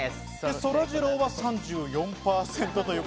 そらジローは３４％。